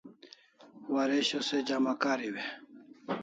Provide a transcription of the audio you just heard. Waresho se jama kariu e?